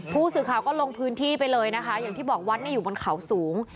ผู้สื่อข่าวก็ลงพื้นที่ไปเลยนะคะอย่างที่บอกวัดเนี่ยอยู่บนเขาสูง